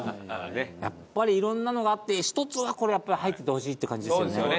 やっぱり色んなのがあって１つはこれやっぱり入っててほしいって感じですよね。